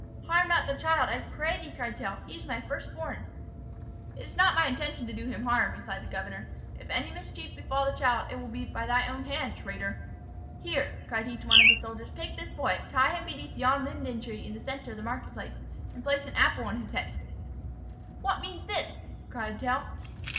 "Harm not the child, I pray thee," cried Tell: "he is my first born." "It is not my intention to do him harm," replied the governor. "If any mischief befall the child, it will be by thy own hand, traitor. Here," cried he to one of his soldiers, "take this boy, tie him beneath yon linden tree, in the centre of the market place, and place an apple on his head " "What means this?" cried Tell.